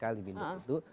mereka datang ke binduk